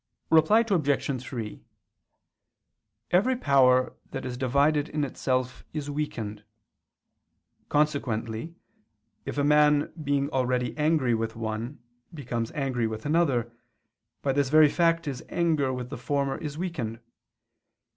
Reply Obj. 3: Every power that is divided in itself is weakened. Consequently if a man being already angry with one, becomes angry with another, by this very fact his anger with the former is weakened.